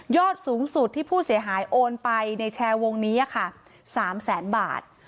สูงสุดที่ผู้เสียหายโอนไปในแชร์วงนี้ค่ะ๓แสนบาท